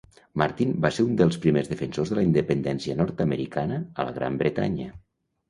Martin va ser un dels primers defensors de la independència nord-americana a la Gran Bretanya.